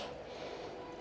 saya ingin bertemu